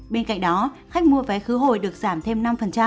bên cạnh đó khách mua vé khứ hồi được giảm thêm năm